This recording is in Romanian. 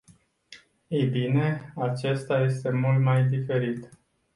Ei bine, acesta este mult mai diferit.